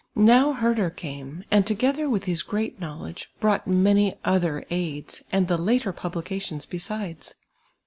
Now Herder eame, and toi,^ether with his ^eat knowh'il^e brought many otlier aids, and llu' later j)ublieations hesides.